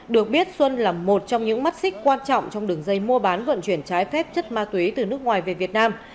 được biết xuân là một trong những mắt xích quan trọng trong đường dây mua bán vận chuyển trái phép chất ma túy từ nước ngoài về việt nam